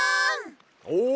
お！